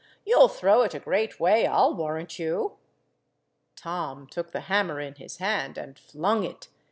"You'll throw it a great way, I'll warrant you." Tom took the hammer in his hand and flung it.